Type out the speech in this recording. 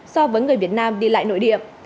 so với người việt nam đi lại nội điểm